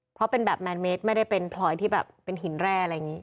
เพราะเป็นแบบแมนเมตรไม่ได้เป็นพลอยที่แบบเป็นหินแร่อะไรอย่างนี้